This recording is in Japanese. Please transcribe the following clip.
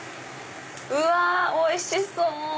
うわおいしそう！